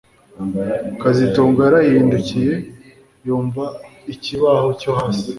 kazitunga yarahindukiye yumva ikibaho cyo hasi